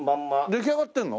出来上がってるの？